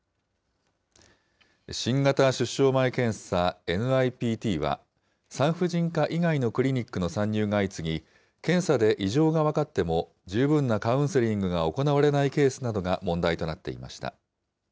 新型出生前検査・ＮＩＰＴは、産婦人科以外のクリニックの参入が相次ぎ、検査で異常が分かっても十分なカウンセリングが行われないケースなどが問題となっていました。